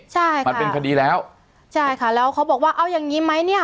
ใช่ค่ะมันเป็นคดีแล้วใช่ค่ะแล้วเขาบอกว่าเอาอย่างงี้ไหมเนี่ย